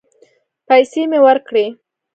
پيسې مې ورکړې.